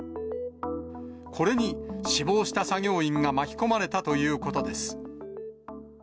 これに死亡した作業員が巻き込まれたということです。